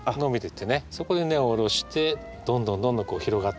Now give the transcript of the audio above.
そこで根を下ろしてどんどんどんどん広がっていく。